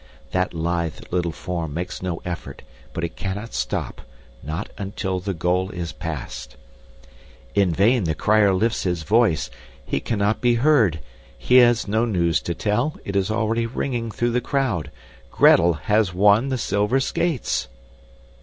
That lithe little form makes no effort, but it cannot stop not until the goal is passed! In vain the crier lifts his voice. He cannot be heard. He has no news to tell it is already ringing through the crowd. GRETEL HAS WON THE SILVER SKATES!